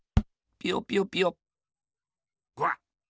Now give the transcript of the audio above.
ピヨピヨピヨ！